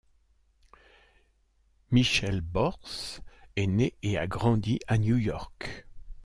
Michelle Borth est née et a grandi à New York.